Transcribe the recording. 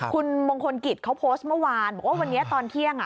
คุณมงคลกิจเขาโพสต์เมื่อวานบอกว่าวันนี้ตอนเที่ยง